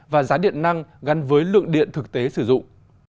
và giá điện năng gắn với lượng điện thực tế sử dụng